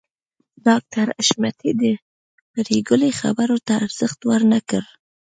ډاکټر حشمتي د پريګلې خبرو ته ارزښت ورنکړ